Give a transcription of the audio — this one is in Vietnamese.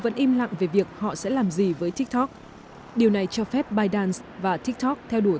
vẫn im lặng về việc họ sẽ làm gì với tiktok điều này cho phép bytedance và tiktok theo đuổi